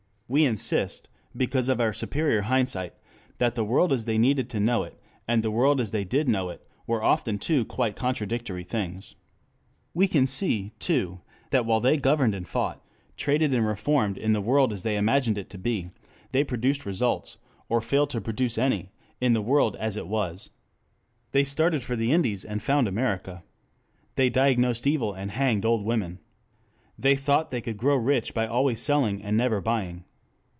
We insist, because of our superior hindsight, that the world as they needed to know it, and the world as they did know it, were often two quite contradictory things. We can see, too, that while they governed and fought, traded and reformed in the world as they imagined it to be, they produced results, or failed to produce any, in the world as it was. They started for the Indies and found America. They diagnosed evil and hanged old women. They thought they could grow rich by always selling and never buying.